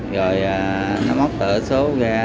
rồi nó móc tờ số ra